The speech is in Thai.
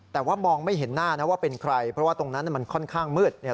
แต่ว่ามองไม่เห็นหน้านะว่าเป็นใครเพราะว่าตรงนั้นมันค่อนข้างมืดเนี่ย